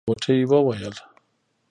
غوټۍ وويل.